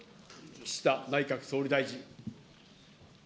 岸田内閣総理大臣。